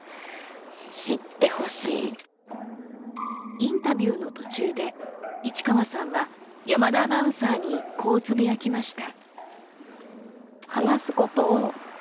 インタビューの途中で市川さんは山田アナウンサーにこうつぶやきました。